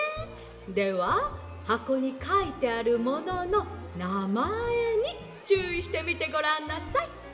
でははこにかいてあるものの『なまえ』にちゅういしてみてごらんなさい」。